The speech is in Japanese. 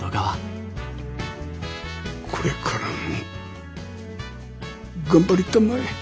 これからも頑張りたまえ。